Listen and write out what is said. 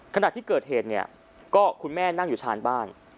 ขณะที่เกิดเหตุเนี่ยก็คุณแม่นั่งอยู่ชานบ้าน